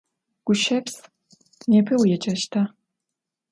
Guşşeps, nêpe vuêceşta?